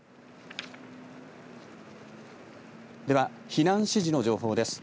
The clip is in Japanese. では避難指示の情報です。